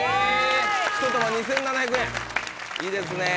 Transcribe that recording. １玉２７００円いいですね。